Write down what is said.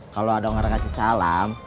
kalo ada orang yang kasih salam